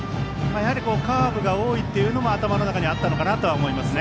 カーブが多いというのも頭の中にあったのかなと思いますね。